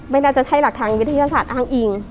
ไม่น่าจะใช่หลักทางวิทยาศาสตร์อ้างอิง